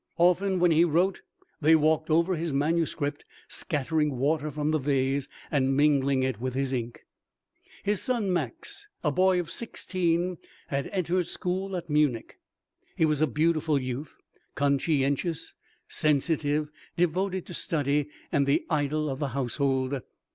Often when he wrote, they walked over his manuscript, scattering water from the vase and mingling it with his ink. His son Max, a boy of sixteen, had entered school at Munich. He was a beautiful youth, conscientious, sensitive, devoted to study, and the idol of the household.